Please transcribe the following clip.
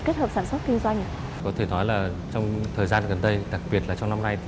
có thể nói là trong thời gian gần đây đặc biệt trong năm nay